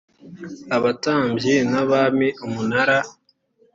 abatambyi n abami umunara